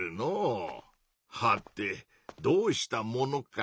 はてどうしたものか。